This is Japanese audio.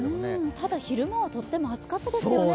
ただ、昼間はとっても暑かったですよね。